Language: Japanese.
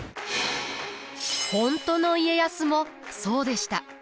本当の家康もそうでした。